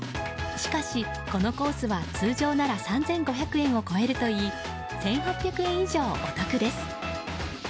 しかし、このコースは通常なら３５００円を超えるといい１８００円以上お得です。